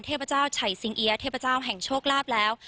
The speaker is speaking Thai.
เทพเจ้าไฉสิงเอี๊ยเทพเจ้าแห่งโชคลาภแล้ว